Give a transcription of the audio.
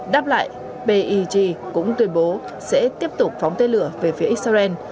đáp lại peg cũng tuyên bố sẽ tiếp tục phóng tên lửa về phía israel